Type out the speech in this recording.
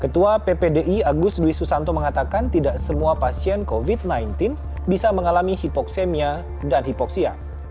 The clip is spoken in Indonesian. ketua ppdi agus dwi susanto mengatakan tidak semua pasien covid sembilan belas bisa mengalami hipoksemia dan hipoksia